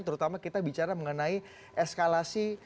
terutama kita bicara mengenai eskalasi